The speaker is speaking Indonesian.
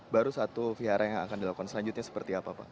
baru satu vihara yang akan dilakukan selanjutnya seperti apa pak